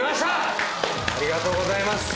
ありがとうございます。